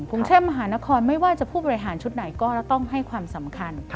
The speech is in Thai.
กรุงเทพมหานครไม่ว่าจะผู้บริหารชุดไหนก็ต้องให้ความสำคัญ